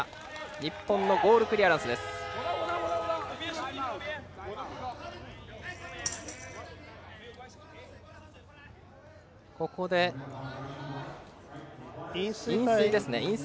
日本のゴールクリアランス。